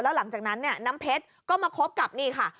แล้วหลังจากนั้นเนี่ยน้ำเพชรก็มาคบกับนี่ค่ะ